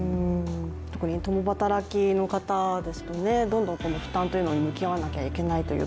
特に共働きの方ですと、どんどん負担というものに向き合わなくちゃいけない。